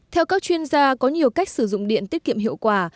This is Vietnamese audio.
theo các chuyên gia có nhiều cách sử dụng điện tiết kiệm hiệu quả